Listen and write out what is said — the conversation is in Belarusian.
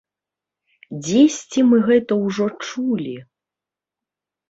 Дзесьці мы гэта ўжо чулі?